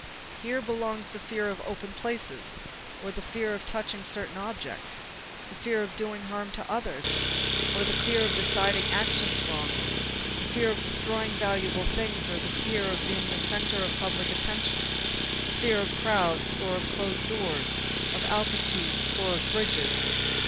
Here belongs the fear of open places or the fear of touching certain objects, the fear of doing harm to others or the fear of deciding actions wrongly, the fear of destroying valuable things or the fear of being the center of public attention, the fear of crowds or of closed doors, of altitudes or of bridges.